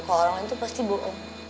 kalau orang lain itu pasti buruk